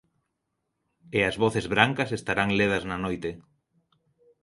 E as voces brancas estarán ledas na noite.